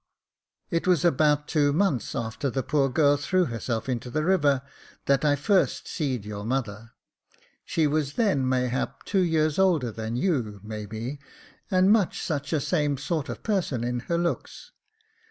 " It was 'bout two months after the poor girl threw herself into the river, that I first seed your mother. She was then mayhap two years older than you may be, and much such a same sort of person in her looks.